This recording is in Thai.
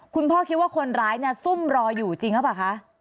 คุณพ่อคิดว่าคนร้ายเนี่ยซุ่มรออยู่จริงหรือเปล่าคะ